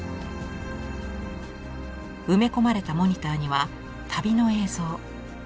埋め込まれたモニターには旅の映像。